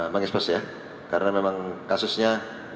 mengekspos ya karena memang kasusnya